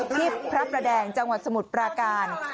ที่พระอำนาจนดรสมุดปราการ